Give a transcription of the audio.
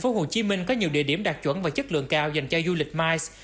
hồ chí minh có nhiều địa điểm đạt chuẩn và chất lượng cao dành cho du lịch mice